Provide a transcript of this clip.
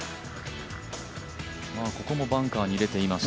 ここもバンカーに入れていました。